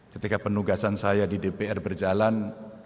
ketika penugasan saya di dpr berjalan